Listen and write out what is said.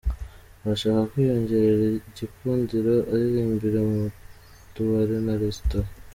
Arashaka kwiyongerera igikundiro aririmbira mu tubare na resitora